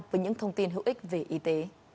với những thông tin hữu ích về y tế